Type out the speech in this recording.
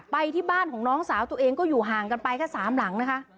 ไปที่บ้านของน้องสาวตัวเองก็อยู่ห่างกันไปแค่สามหลังนะคะ